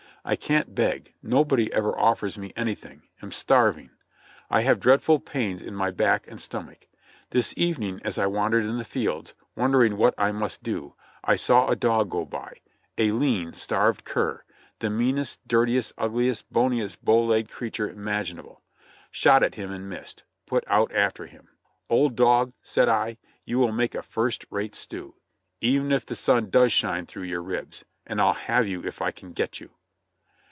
I can't beg — nobody ever ofifers me anything — am starving. I have dreadful pains in my back and stomach. This evening as I wandered in the fields, wondering what I must do, I saw a dog go by; a lean, starved cur, the meanest, dirtiest, ugliest, boniest, bow legged creature imaginable; shot at him and missed; put out after him. 'Old dog,' said I, 'you will make a first rate stew, even if the sun does shine through your ribs, and I'll have you if I can get you.'